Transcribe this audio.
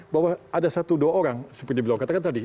bahwa ada satu dua orang seperti beliau katakan tadi